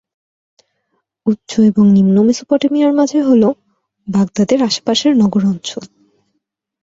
উচ্চ এবং নিম্ন মেসোপটেমিয়ার মাঝে হ'ল বাগদাদ এর আশেপাশের নগর অঞ্চল।